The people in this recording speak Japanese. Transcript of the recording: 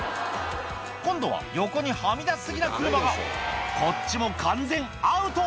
今度は横にはみ出し過ぎな車がこっちも完全アウト！